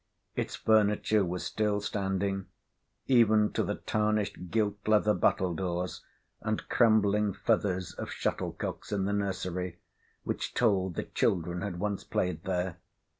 Its furniture was still standing—even to the tarnished gilt leather battledores, and crumbling feathers of shuttlecocks in the nursery, which told that children had once played there.